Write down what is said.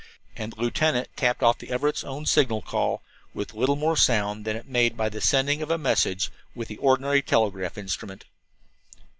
And the lieutenant tapped off the Everett's own signal call with little more sound than is made by the sending of a message with the ordinary telegraph instrument.